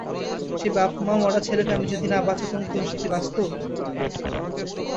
সেই বাপ-মা মরা ছেলেকে আমি যদি না বাঁচাতুম তো সে কি বাঁচত?